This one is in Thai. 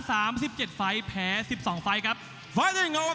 วันนี้ดังนั้นก็จะเป็นรายการมวยไทยสามยกที่มีความสนุกความมันความเดือดนะครับ